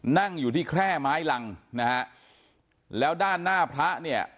นั่งอยู่ที่แคร่ไม้รังนะฮะแล้วด้านหน้าพระเนี่ย